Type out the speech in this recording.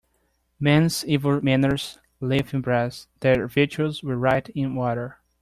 Men's evil manners live in brass; their virtues we write in water